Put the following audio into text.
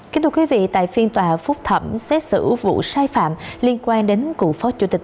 kính thưa quý vị tại phiên tòa phúc thẩm xét xử vụ sai phạm liên quan đến cựu phó chủ tịch